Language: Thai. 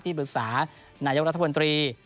ที่ปรึกษานายรัฐบนตรี